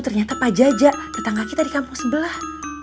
ternyata pak jaja tetangga kita di kampung sebelah